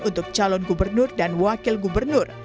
untuk calon gubernur dan wakil gubernur